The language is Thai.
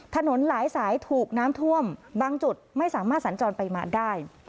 ถนนหลายสายถูกน้ำท่วมบางจุดไม่สามารถสัญจรไปมาได้